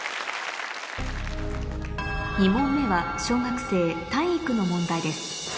２問目は小学生体育の問題です